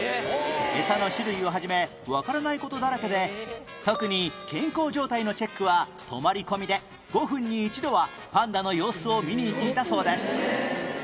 餌の種類を始めわからない事だらけで特に健康状態のチェックは泊まり込みで５分に１度はパンダの様子を見に行っていたそうです